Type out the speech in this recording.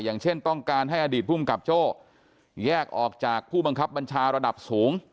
อย่างเช่นต้องการให้อดีตภูมิกับโจ้แยกออกจากผู้บังคับบัญชาระดับสูง